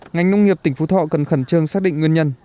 ngành nông nghiệp tỉnh phú thọ cần khẩn trương xác định nguyên nhân